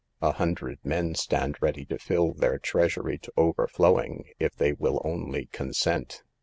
« A hundred men stand ready to fill their treasury to overflowing if they will only consent.